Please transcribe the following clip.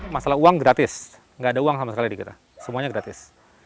masalah uang gratis nggak ada uang sama sekali di kita semuanya gratis